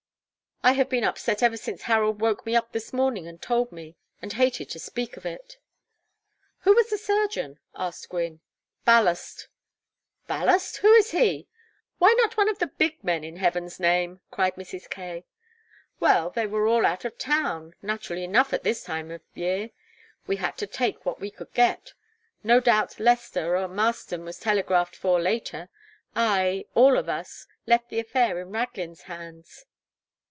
I have been upset ever since Harold woke me up this morning and told me; and hated to speak of it." "Who was the surgeon?" asked Gwynne. "Ballast." "Ballast? Who is he? Why not one of the big men, in heaven's name?" cried Mrs. Kaye. "Well they were all out of town naturally enough at this time of year. We had to take what we could get. No doubt Lester or Masten was telegraphed for later. I all of us left the affair in Raglin's hands."